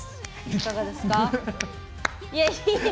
いかがですか？